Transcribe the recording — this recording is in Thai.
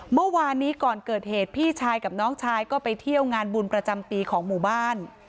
เมื่อวานนี้ก่อนเกิดเหตุพี่ชายกับน้องชายก็ไปเที่ยวงานบุญประจำปีของหมู่บ้าน